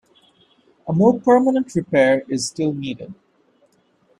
A more permanent repair is still needed.